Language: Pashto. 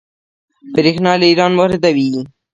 بریښنا له ایران واردوي